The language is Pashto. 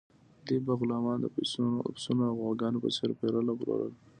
دوی به غلامان د پسونو او غواګانو په څیر پیرل او پلورل.